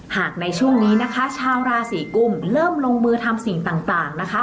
หากในช่วงนี้นะคะชาวราศีกุมเริ่มลงมือทำสิ่งต่างนะคะ